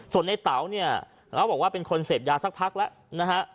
ส่วนในเต๋าเนี่ยเขาบอกว่าเป็นคนเสพยาสักพักแล้วนะฮะ